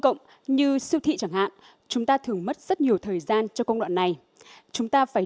cộng như siêu thị chẳng hạn chúng ta thường mất rất nhiều thời gian cho công đoạn này chúng ta phải